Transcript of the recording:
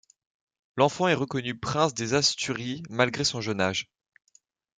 L'enfant est reconnu prince des Asturies malgré son jeune âge.